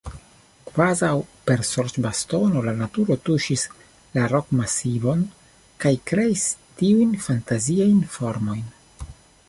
Kvazaŭ per sorĉbastono la naturo tuŝis la rokmasivon kaj kreis tiujn fantaziajn formojn.